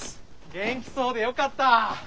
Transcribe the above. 元気そうでよかった。